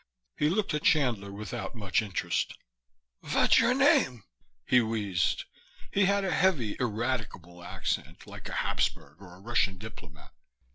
He looked at Chandler without much interest. "Vot's your name?" he wheezed. He had a heavy, ineradicable accent, like a Hapsburg or a Russian diplomat.